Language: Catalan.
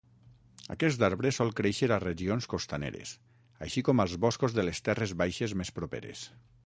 Aquest arbre sol créixer a regions costaneres, així com als boscos de les terres baixes més properes.